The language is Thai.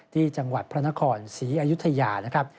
ที่จังหวัดพระนครศรีอยุธยานะครับ